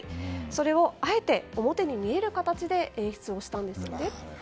それをあえて表に見える形で演出をしたんですよね。